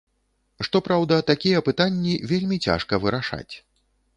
Што праўда, такія пытанні вельмі цяжка вырашаць.